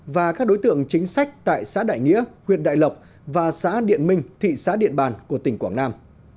và các đối tượng chính sách tại xã đại nghĩa huyện đại lộc và xã điện minh thị xã điện bàn của tỉnh quảng nam